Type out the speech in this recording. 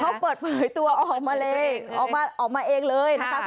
เขาเปิดเผยตัวออกมาเลยออกมาออกมาเองเลยนะคะ